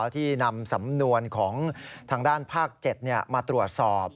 ที่นำสำนวนของทางด้านภาค๗มาตรวจสอบ